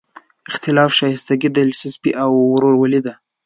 اختلاف ښایستګي، دلچسپي او ورورولي ده.